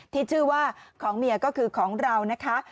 ที่ชื่อว่าของเมียก็คือของเรานะคะ